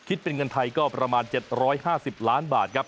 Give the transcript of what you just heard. คิดเป็นเงินไทยก็ประมาณ๗๕๐ล้านบาทครับ